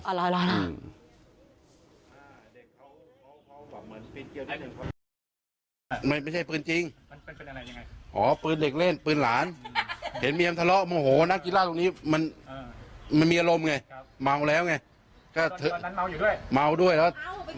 คือจริงมีโอ้โหเปิดเล็กเล่นเปิดหลานมีเมียมาล้อมแคล้วเขาแล้ว